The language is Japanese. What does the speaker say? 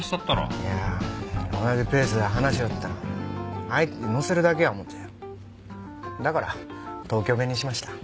いやあ同じペースで話しよったら相手をのせるだけや思うてだから東京弁にしました。